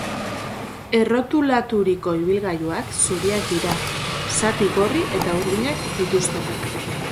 Errotulaturiko ibilgailuak zuriak dira, zati gorri eta urdinak dituztenak.